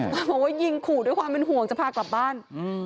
บอกว่ายิงขู่ด้วยความเป็นห่วงจะพากลับบ้าน